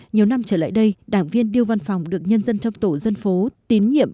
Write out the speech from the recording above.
nhiều năm trở lại đây đảng viên điêu văn phòng được nhân dân trong tổ dân phố tín nhiệm